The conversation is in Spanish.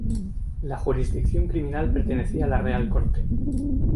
La jurisdicción criminal pertenecía a la real corte.